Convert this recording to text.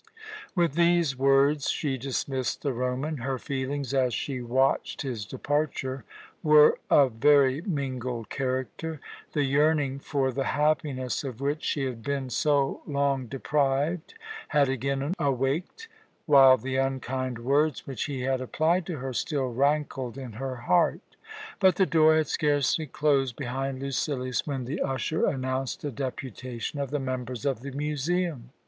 With these words she dismissed the Roman. Her feelings as she watched his departure were of very mingled character. The yearning for the happiness of which she had been so long deprived had again awaked, while the unkind words which he had applied to her still rankled in her heart. But the door had scarcely closed behind Lucilius when the usher announced a deputation of the members of the museum.